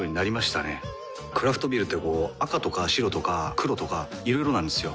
クラフトビールってこう赤とか白とか黒とかいろいろなんですよ。